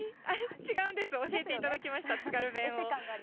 違うんです、教えていただきました、津軽弁を。